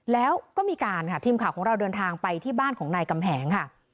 แล้วก็มีการค่ะทีมข่าวของเราเดินทางไปที่บ้านของนายกำแหงค่ะ